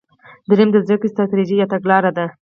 دریم د زده کړې ستراتیژي یا تګلاره ده.